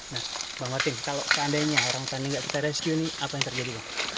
nah bang martim kalau seandainya orangutannya tidak kita rescue apa yang akan terjadi